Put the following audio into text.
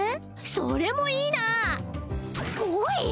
それもいいなおい！